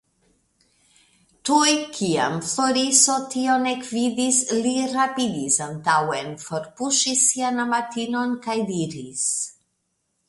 Tuj kiam Floriso tion ekvidis, li rapidis antaŭen, forpuŝis sian amatinon kaj diris.